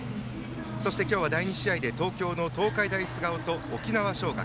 今日は第２試合で東京の東海大菅生と沖縄尚学。